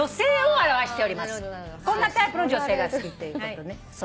「こんなタイプの女性が好き」っていうことね。